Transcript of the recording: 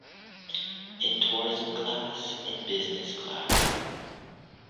In tourism class, in business class.